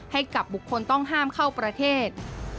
ให้กับบุคคลต้องห้ามเข้าประเทศ